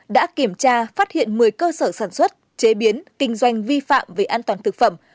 đã kiểm tra phát hiện một mươi cơ sở sản xuất chế biến kinh doanh vi phạm về an toàn thực phẩm